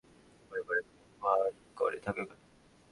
আমার উপর এত মুখ ভার করে থাকো কেন?